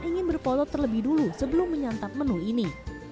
ingin berfoto terlebih dulu sebelum menyantap menu ini